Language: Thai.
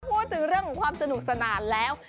พูดถึงเรื่องของความสนุกสนานแล้ว